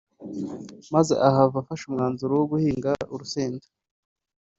maze ahava afashe umwanzuro wo guhinga urusenda